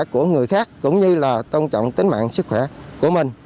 của người khác cũng như là tôn trọng tính mạng sức khỏe của mình